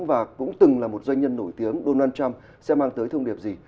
và cũng từng là một doanh nhân nổi tiếng donald trump sẽ mang tới thông điệp gì